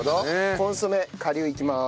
コンソメ顆粒いきます。